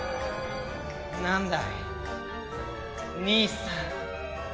なんだい兄さん。